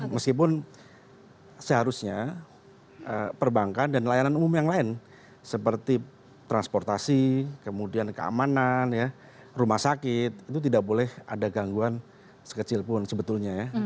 meskipun seharusnya perbankan dan layanan umum yang lain seperti transportasi kemudian keamanan rumah sakit itu tidak boleh ada gangguan sekecil pun sebetulnya ya